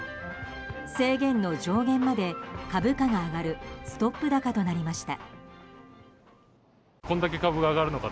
制限の上限まで株価が上がるストップ高となりました。